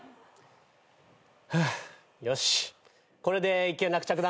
フゥよしこれで一件落着だな。